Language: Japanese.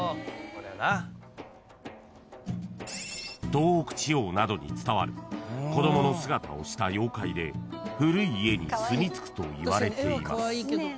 ［東北地方などに伝わる子供の姿をした妖怪で古い家にすみつくといわれています］